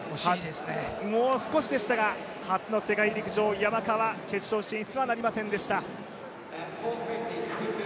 もう少しでしたが初の世界陸上山川、決勝進出はなりませんでした。